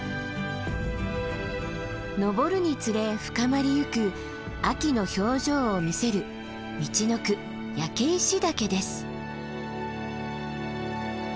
登るにつれ深まりゆく秋の表情を見せるみちのく焼石岳です。